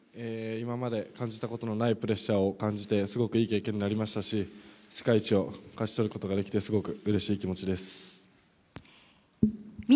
今まで感じたことのないプレッシャーを感じてすごくいい経験になりましたし世界一を勝ち取ることができてすごくうれしい気持ちです。